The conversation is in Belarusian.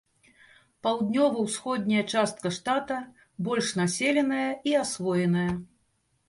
Паўднёва-ўсходняя частка штата больш населеная і асвоеная.